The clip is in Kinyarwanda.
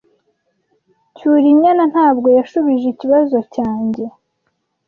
Cyrinyana ntabwo yashubije ikibazo cyanjye.